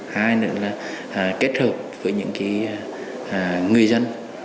hay nữa là kết hợp với những người dân